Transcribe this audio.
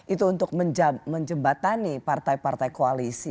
itu untuk menjembatani partai partai koalisi